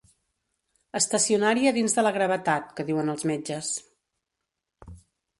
Estacionària dins de la gravetat, que diuen els metges.